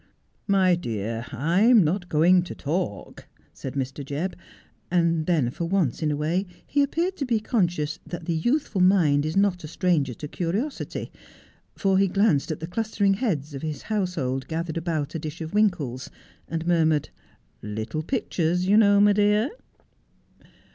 'My dear, I'm not going to talk,' said Mr. Jebb ; and then for once in a way he appeared to be conscious that the youthful mind is not a stranger to curiosity, for he glanced at che clustering heads of his household gathered about a dish of ' winkles,' and murmured, ' Little pitchers — you know, my dear.'